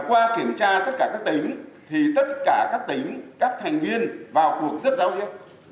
qua kiểm tra tất cả các tỉnh thì tất cả các tỉnh các thành viên vào cuộc giấc giấu hiếp